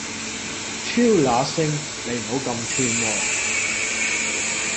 挑那星！你唔好咁串喎